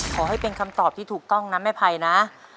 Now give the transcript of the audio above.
ขอให้เป็นคำตอบที่ถูกต้องนะแม่ภัยนะ